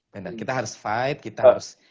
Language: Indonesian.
pendek kita harus fight kita harus